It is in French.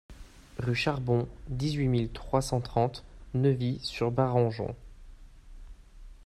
Rue Charbon, dix-huit mille trois cent trente Neuvy-sur-Barangeon